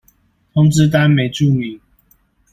通知單沒註明